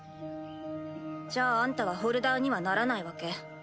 じゃああんたはホルダーにはならないわけ？